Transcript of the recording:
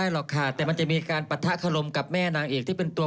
หินคำจาชายมาเอาว่าอำคาก็เหงา